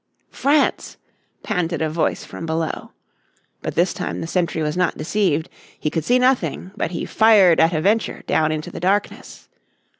"France," panted a voice from below. But this time the sentry was not deceived. He could see nothing, but he fired at a venture down into the darkness.